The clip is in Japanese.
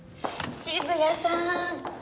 渋谷さん！